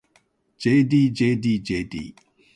ｊｄｊｄｊｄ